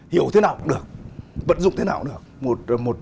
hiểu thế nào cũng được vận dụng thế nào được